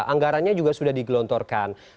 anggarannya juga sudah digelontorkan